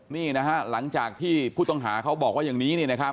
นี่นะฮะหลังจากที่ผู้ต้องหาเขาบอกว่าอย่างนี้